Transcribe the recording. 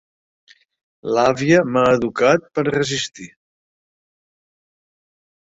L'àvia m'ha educat per resistir.